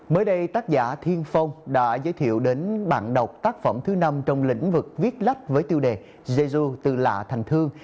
mới đây tác giả thiên phong đã giới thiệu đến bạn đọc tác phẩm thứ năm trong lĩnh vực viết lách với tiêu đề jeju từ lạ thành thương